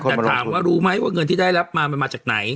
แต่ถามว่ารู้ไหมว่าเงินที่ได้รับมามันมาจากไหน